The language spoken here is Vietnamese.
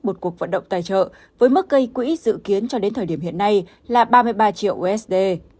một cuộc vận động tài trợ với mức gây quỹ dự kiến cho đến thời điểm hiện nay là ba mươi ba triệu usd